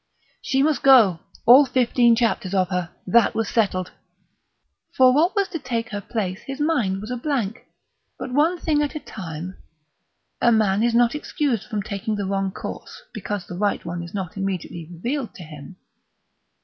She must go, all fifteen chapters of her. That was settled. For what was to take her place his mind was a blank; but one thing at a time; a man is not excused from taking the wrong course because the right one is not immediately revealed to him.